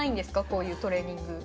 こういうトレーニング。